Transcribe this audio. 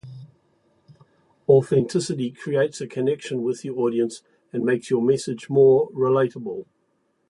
Authenticity creates a connection with your audience and makes your message more relatable.